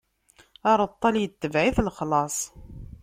Aṛeṭṭal itbeɛ-it lexlaṣ.